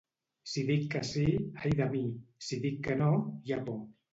Si dic que sí, ai de mi! Si dic que no, hi ha por.